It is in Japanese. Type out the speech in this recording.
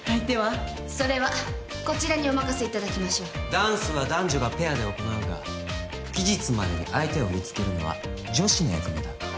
ダンスは男女がペアで行うが期日までに相手を見つけるのは女子の役目だ。